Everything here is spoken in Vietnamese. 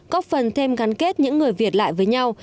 có phần thêm gắn kết những người việt lại với nhau